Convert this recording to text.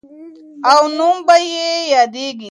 او نوم به یې یادیږي.